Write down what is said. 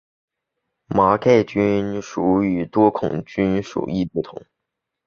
麻盖菌属与多孔菌属亦不同。